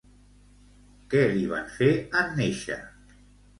Què li van fer en néixer?